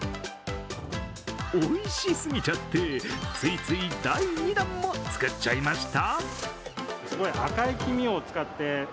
おいしすぎちゃって、ついつい第２弾も作っちゃいました。